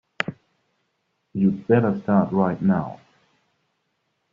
You'd better start right now.